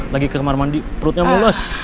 lagi ke kamar mandi perutnya mulus